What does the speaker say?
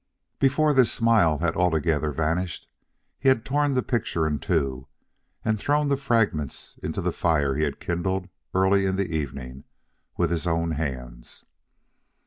Before this smile had altogether vanished, he had torn the picture in two and thrown the fragments into the fire he had kindled early in the evening with his own hands.